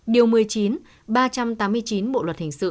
điều một mươi chín ba trăm tám mươi chín bộ luật hình sự